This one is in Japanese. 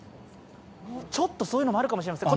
ちょっとそういうのもあるかもしれません。